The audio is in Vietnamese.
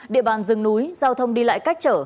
địa bàn rừng núi giao thông đi lại cách trở